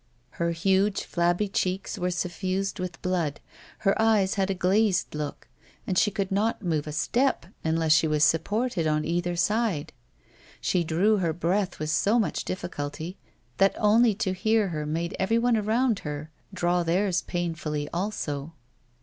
Her huge, flabby cheeks were sufiused with blood, her eyes had a glazed look, and she could not move a step unless she was supported on either side ; she drew her breath with so much difiiculty that only to hear her made everyone around her draw theirs painfully also.